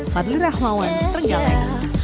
madli rahmawan trenggalek